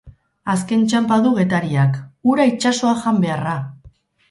Azken txanpa du Getariak; hura itsasoa jan beharra!